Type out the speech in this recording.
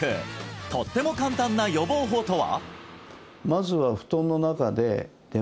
とっても簡単な予防法とは？